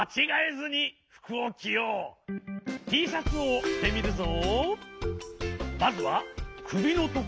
Ｔシャツをきてみるぞ。